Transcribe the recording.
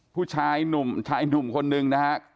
ผู้ชายหนุ่มชายหนุ่มคนนึงนะฮะ